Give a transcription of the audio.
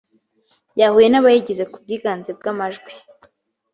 yahuye n’abayigize ku bwiganze bw’amajwi